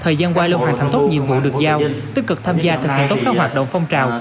thời gian qua luôn hoàn thành tốt nhiệm vụ được giao tích cực tham gia thực hiện tốt các hoạt động phong trào